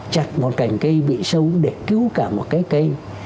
chặt một cành cây bị sâu để cứu cả một cái cây